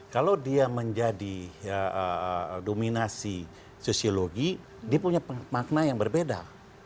kalau dia menjadi dominasi sosiologi dia punya makna yang berbeda